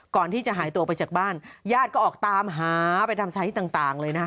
ก่อนที่จะหายตัวไปจากบ้านญาติก็ออกตามหาไปทำสถานที่ต่างเลยนะคะ